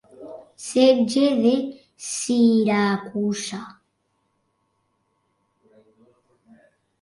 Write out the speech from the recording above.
Setge de Siracusa.